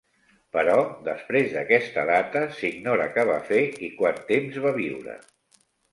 Però després d'aquesta data, s'ignora que va fer i quant temps va viure.